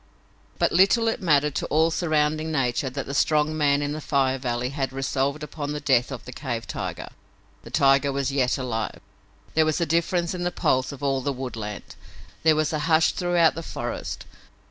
But little it mattered to all surrounding nature that the strong man in the Fire Valley had resolved upon the death of the cave tiger. The tiger was yet alive! There was a difference in the pulse of all the woodland. There was a hush throughout the forest.